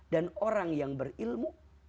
dan orang yang berilmu